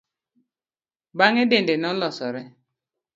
Bang'e dende nolosore.